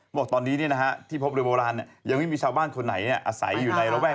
บอกตอนนี้ที่พบโดยโบราณยังไม่มีชาวบ้านคนไหนอาศัยอยู่ในระแวก